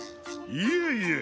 いえいえ。